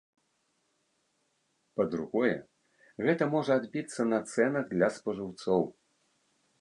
Па-другое, гэта можа адбіцца на цэнах для спажыўцоў.